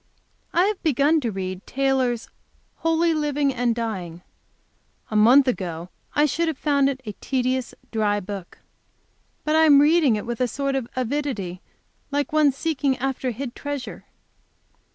I have begun to read Taylor's "Holy Living and Dying." A month ago I should have found it a tedious, dry book. But I am reading it with a sort of avidity, like one seeking after hid treasure.